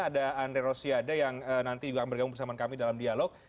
ada andre rosiade yang nanti juga akan bergabung bersama kami dalam dialog